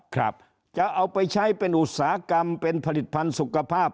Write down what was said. ครับจะเอาไปใช้เป็นอุตสาหกรรมเป็นผลิตภัณฑ์สุขภาพ